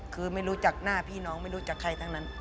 คือไม่รู้จักหน้าพี่น้องไม่รู้จักใครทั้งนั้น